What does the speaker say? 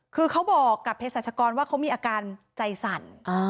คือเขาบอกกับเพศรัชกรว่าเขามีอาการใจสั่น